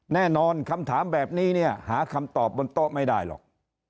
แน่นอนคำถามแบบนี้เนี่ยหาคำตอบบนโต๊ะไม่ได้หรอก